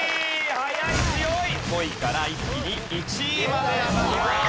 ５位から一気に１位まで上がります。